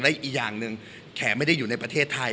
อีกอย่างหนึ่งแขไม่ได้อยู่ในประเทศไทย